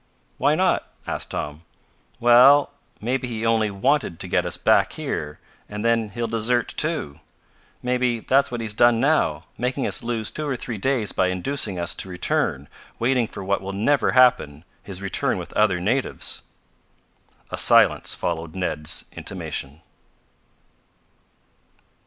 "Why not?" asked Tom. "Well, maybe he only wanted to get us back here, and then he'll desert, too. Maybe that's what he's done now, making us lose two or three days by inducing us to return, waiting for what will never happen his return with other natives." A silence followed Ned's intimation.